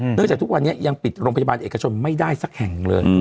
เนื่องจากทุกวันนี้ยังปิดโรงพยาบาลเอกชนไม่ได้สักแห่งเลย